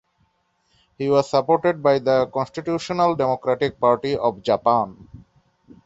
He was supported by the Constitutional Democratic Party of Japan.